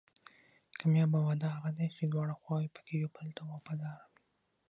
کامیابه واده هغه دی چې دواړه خواوې پکې یو بل ته وفادار وي.